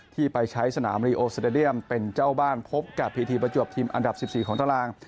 ที่ไปใช้สนามเป็นเจ้าบ้านพบกับประจวบทีมอันดับ๑๔ของตะลาง